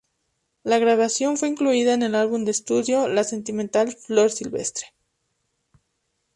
La grabación fue incluida en el álbum de estudio "La sentimental Flor Silvestre".